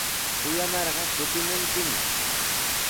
Kuyamarqa kutimunkimi.